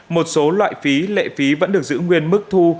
một số loại phí lệ phí vẫn được giữ nguyên mức thu